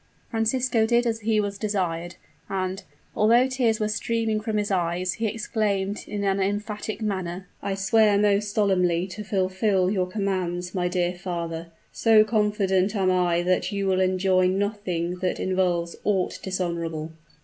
Francisco did as he was desired; and, although tears were streaming from his eyes, he exclaimed, in an emphatic manner, "I swear most solemnly to fulfill your commands, my dear father, so confident am I that you will enjoin nothing that involves aught dishonorable!"